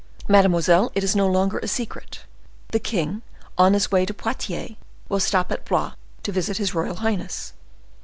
"Mademoiselle, it is no longer a secret; the king, on his way to Poitiers, will stop at Blois, to visit his royal highness."